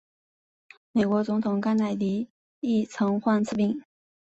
美国总统甘乃迪亦曾患此病。